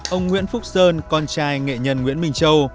ông nguyễn phúc sơn con trai nghệ nhân nguyễn minh châu